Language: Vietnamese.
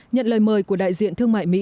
nhận lời mời của đại diện thương mại mỹ